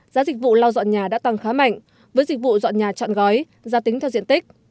giá dịch vụ lau dọn nhà đã tăng khá mạnh với dịch vụ dọn nhà chọn gói giá tính theo diện tích